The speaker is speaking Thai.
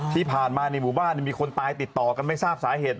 ที่ผ่านมาในหมู่บ้านมีคนตายติดต่อกันไม่ทราบสาเหตุ